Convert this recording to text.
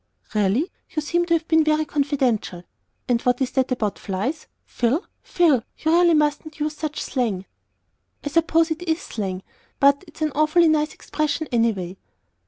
"Really! You seem to have been very confidential. And what is that about flies? Phil, Phil, you really mustn't use such slang." "I suppose it is slang; but it's an awfully nice expression anyway."